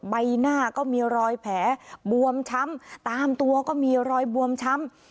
ใบหน้าก็มีรอยแผลบวมช้ำตามตัวก็มีรอยบวมช้ำ